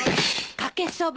かけそば。